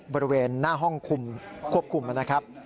บริเวณหน้าห้องคุมควบคุมนะครับ